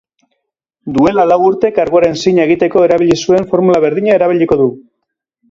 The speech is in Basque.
Duela lau urte karguaren zina egiteko erabili zuen formula berdina erabiliko du.